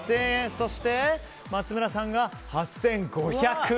そして、松村さんが８５００円。